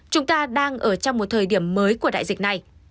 chúng ta đang ở trong một thời điểm mới của đại dịch này